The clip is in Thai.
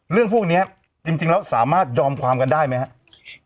เรื่องพวกนี้จริงแล้วสามารถยอมความกันได้ไหมครับ